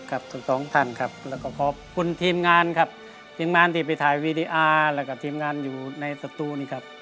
ทั้งสองท่านครับแล้วก็ขอบคุณทีมงานครับทีมงานที่ไปถ่ายวีดีอาร์แล้วก็ทีมงานอยู่ในสตูนี้ครับ